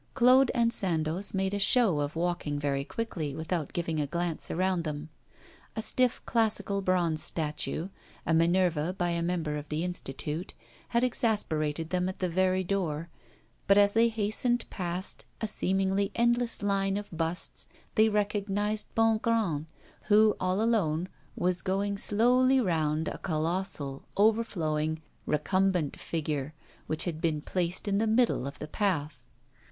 Claude and Sandoz made a show of walking very quickly without giving a glance around them. A stiff classical bronze statue, a Minerva by a member of the Institute, had exasperated them at the very door. But as they hastened past a seemingly endless line of busts, they recognised Bongrand, who, all alone, was going slowly round a colossal, overflowing, recumbent figure, which had been placed in the middle of the path.